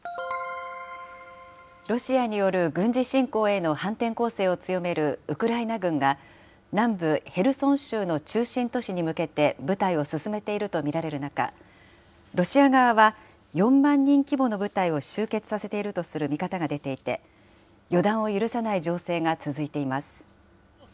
ロシアによる軍事侵攻への反転攻勢を強めるウクライナ軍が、南部ヘルソン州の中心都市に向けて部隊を進めていると見られる中、ロシア側は４万人規模の部隊を集結させているという見方が出ていて、予断を許さない情勢が続いています。